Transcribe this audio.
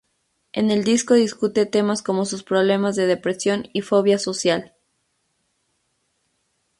En el disco discute temas como sus problemas de depresión y fobia social.